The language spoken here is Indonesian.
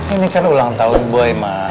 ini kan ulang tahun boy mas